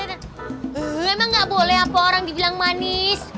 ehh emang gak boleh apa orang dibilang manis